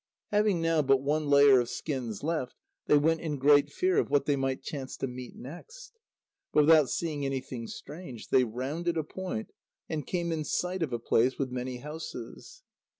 Having now but one layer of skins left, they went in great fear of what they might chance to meet next. But without seeing anything strange, they rounded a point, and came in sight of a place with many houses.